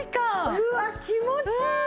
うわっ気持ちいいね。